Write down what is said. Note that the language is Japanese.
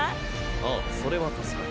ああそれは助かる。